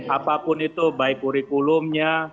apapun itu baik kurikulumnya